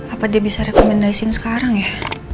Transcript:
apa dia bisa rekomendasiin sekarang ya